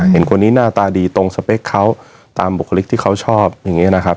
เห็นคนนี้หน้าตาดีตรงสเปคเขาตามบุคลิกที่เขาชอบอย่างนี้นะครับ